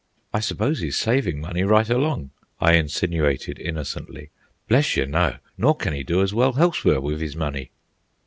"I suppose he's saving money right along," I insinuated innocently. "Bless you, no! Nor can 'e do as well helsewhere with 'is money."